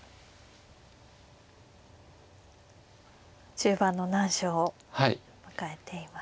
中盤の難所を迎えています。